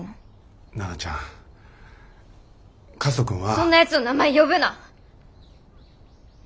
そんなやつの名前呼ぶな。